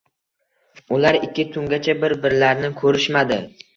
Ular ikki tungacha bir-birlarini ko‘rishmadi.